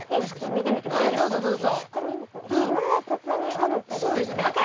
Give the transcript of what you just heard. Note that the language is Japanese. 見てもいいですか？